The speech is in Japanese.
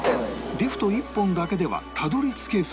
リフト１本だけではたどり着けず